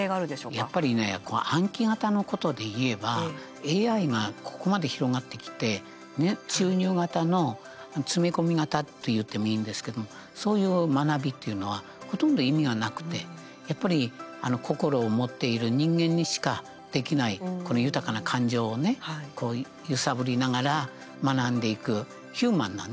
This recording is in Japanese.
やっぱりね暗記型のことでいえばＡＩがここまで広がってきて注入型の詰め込み型って言ってもいいんですけどもそういう学びっていうのはほとんど意味がなくて、やっぱり心を持っている人間にしかできない、この豊かな感情をねこう揺さぶりながら学んでいくヒューマンなね、学び。